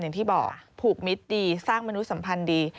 อย่างที่บอกผูกมิตรดีสร้างมนุษยสัมพันธ์ดี